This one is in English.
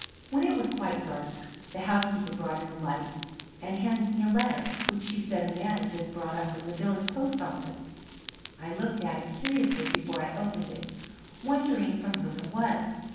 When it was quite dark the housekeeper brought in the lights and handed me a letter which, she said, a man had just brought up from the village post office. I looked at it curiously before I opened it, wondering from whom it was.